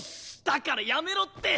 だからやめろって！